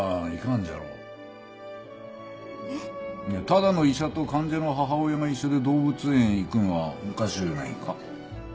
ただの医者と患者の母親が一緒で動物園行くんはおかしゅうないか？